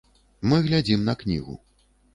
Мы глядзім на кнігу.